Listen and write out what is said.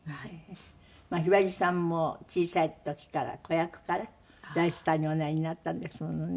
ひばりさんも小さい時から子役から大スターにおなりになったんですものね。